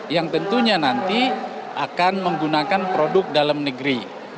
yang tentunya nanti akan menggunakan produk dalam negeri